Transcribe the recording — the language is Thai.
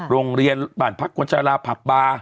โรงเรียนบาลพักษณ์กวัญชาลาภาพบา